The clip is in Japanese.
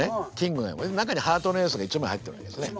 中にハートのエースが１枚入ってるんですね。